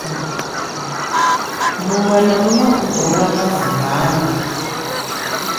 Muṅwe na muṅwe u ḓo wana mangana?